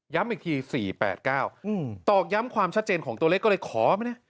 อีกที๔๘๙ตอกย้ำความชัดเจนของตัวเลขก็เลยขอมานะ